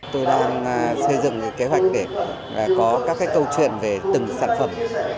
tôi đang xây dựng kế hoạch để có các câu chuyện về từng sản phẩm